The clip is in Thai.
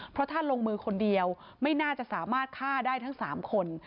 เพราะถ้าลงมือคนเดียวไม่น่าจะสามารถฆ่าได้ทั้ง๓คน